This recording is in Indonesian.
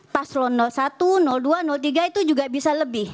paslon satu dua tiga itu juga bisa lebih